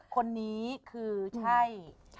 คนนี้คือใช่